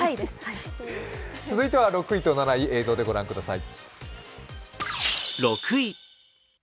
続いては６位と７位、ご覧ください。